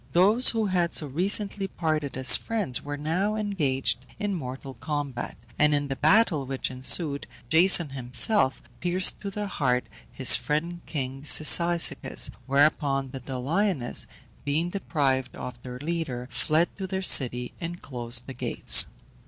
Those who had so recently parted as friends were now engaged in mortal combat, and in the battle which ensued, Jason himself pierced to the heart his friend king Cyzicus; whereupon the Doliones, being deprived of their leader, fled to their city and closed the gates.